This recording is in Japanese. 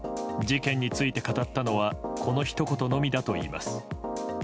事件について語ったのはこのひと言のみだといいます。